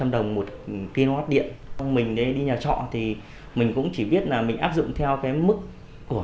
ba năm trăm linh đồng một kw điện mình đi nhà trọ thì mình cũng chỉ biết là mình áp dụng theo cái mức của